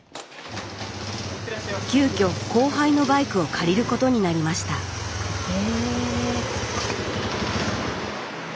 急きょ後輩のバイクを借りることになりました国道をひたすら北へ。